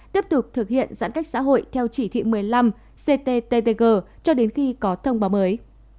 tiếp tục thực hiện giãn cách xã hội theo chỉ thị một mươi năm cttg cho đến khi có thông báo mới